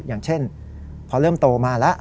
อย่างเช่นพอเริ่มโตมาแล้ว